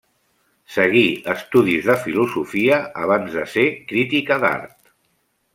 Seguí estudis de filosofia abans de ser crítica d'art.